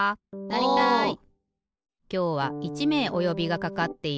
きょうは１めいおよびがかかっている。